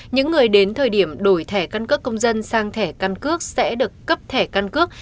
những người đến thời điểm đổi thẻ căn cước công dân sang thẻ căn cước sẽ được cấp thẻ căn cước